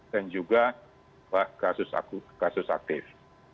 dan juga kasus aktif